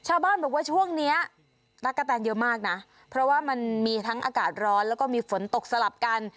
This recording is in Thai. ชาวบ้านบอกว่าช่วงนี้ตั๊กกะแตนเยอะมากนะเพราะว่ามันมีทั้งอากาศร้อนแล้วก็มีฝนตกสลับกัน